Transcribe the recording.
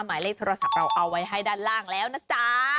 หมายเลขโทรศัพท์เราเอาไว้ให้ด้านล่างแล้วนะจ๊ะ